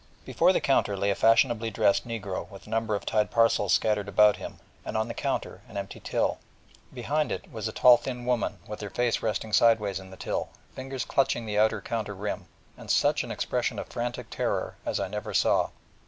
Before the counter lay a fashionably dressed negro with a number of tied parcels scattered about him, and on the counter an empty till, and behind it a tall thin woman with her face resting sideways in the till, fingers clutching the outer counter rim, and such an expression of frantic terror as I never saw.